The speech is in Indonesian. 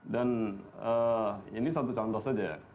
dan ini satu contoh saja